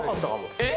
えっ？